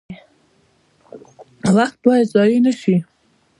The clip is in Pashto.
وخت باید ضایع نشي